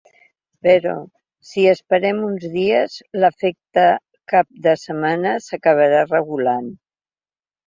Però si esperem uns dies, l’efecte cap de setmana s’acabarà regulant.